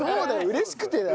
嬉しくてだよ。